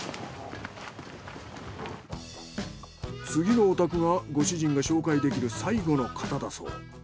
次のお宅がご主人が紹介できる最後の方だそう。